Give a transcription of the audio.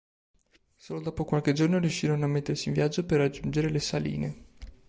Solo dopo qualche giorno riuscirono a mettersi in viaggio per raggiungere le saline.